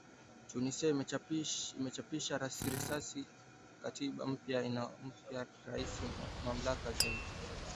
Tunisia imechapisha rasimu ya katiba mpya inayompa Rais mamlaka zaidi